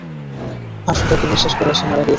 আর সবাইকে বিশ্বাস করায় সে মারা গিয়েছে।